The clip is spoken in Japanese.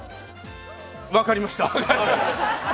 分かりました。